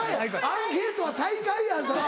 アンケートは大会やぞ。